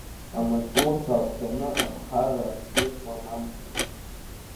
Амаҵурҭа агәҭаны аԥхарра ацрыҵуан амца.